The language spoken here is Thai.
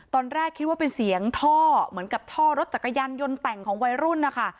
ตอนแรกคิดว่าเป็นเสียงท่อเหมือนกับท่อรถจักรยานยนต์แต่งของวัยรุ่นนะคะ